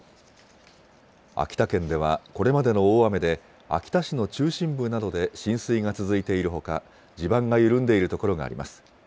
秋田県ではこれまでの大雨で、秋田市の中心部などで浸水が続いているほか、地盤が緩んでいる所があります。